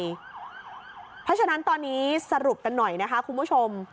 เพราะฉะนั้นตอนนี้สรุปกันหน่อยนะคะคุณผู้ชม